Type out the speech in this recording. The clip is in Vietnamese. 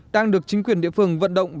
đang được chính quyền địa phương vận động